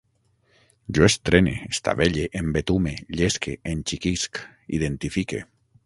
Jo estrene, estavelle, embetume, llesque, enxiquisc, identifique